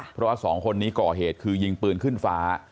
เพราะว่าสองคนนี้ก่อเหตุคือยิงปืนขึ้นฟ้า